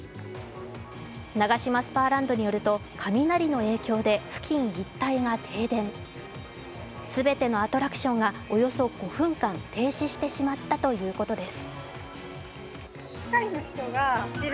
ナガシマスパーランドによると雷の影響で付近一帯が停電全てのアトラクションがおよそ５分間、停止してしまったということです。